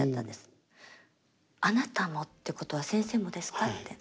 「あなたも」ってことは先生もですかって。